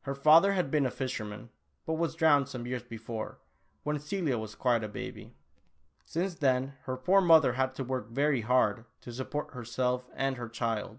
Her fa ther had been a fisherman, but was drowned some years before, when Celia was quite a baby. Since then her poor mother had to work ver}" hard to support herself and her child.